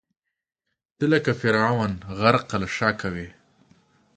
ته لکه فرعون، غرقه له شکه وې